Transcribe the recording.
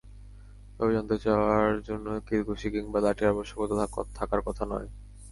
তবে জানতে চাওয়ার জন্য কিল-ঘুষি কিংবা লাঠির আবশ্যকতা থাকার কথা নয়।